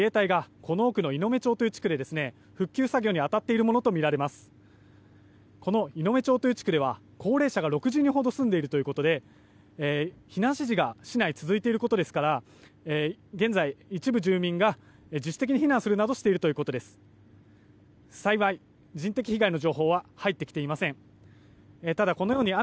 この猪目町という地区では高齢者が６０人ほど住んでいるということで避難指示が市内で続いていることから一部住民が自主的に避難しているということです。